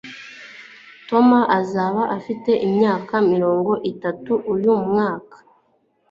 Tom azaba afite imyaka mirongo itatu uyu mwaka